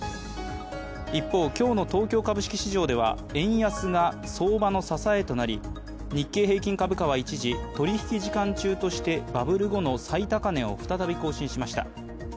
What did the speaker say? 一方、今日の東京株式市場では円安が相場の支えとなり、日経平均株価は一時取引時間中としてバブル後の最高値を再び更新しました。